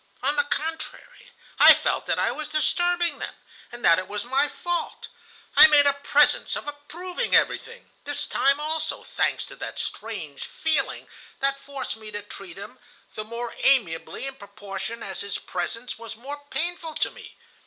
On the contrary, I felt that I was disturbing them, and that it was my fault. I made a presence of approving everything, this time also, thanks to that strange feeling that forced me to treat him the more amiably in proportion as his presence was more painful to me.